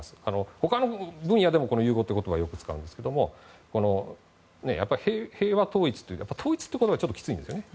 他の分野でも融合という言葉をよく使うんですけども平和統一、統一という言葉はちょっときついんですね。